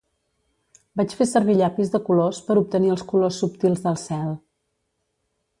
Vaig fer servir llapis de colors per obtenir els colors subtils del cel.